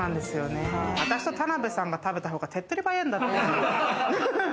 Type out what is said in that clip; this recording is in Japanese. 私と田辺さんが食べたほうが手っ取り早いのよ。